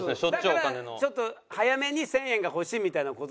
だからちょっと早めに１０００円が欲しいみたいな事だったのかな？